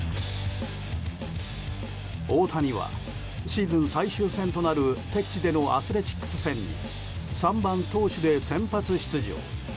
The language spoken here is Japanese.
大谷はシーズン最終戦となる敵地でのアスレチックス戦に３番投手で先発出場。